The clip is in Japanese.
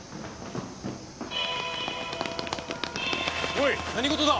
おい何事だ？